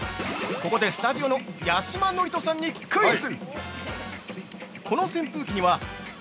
◆ここでスタジオの八嶋智人さんにクイズ！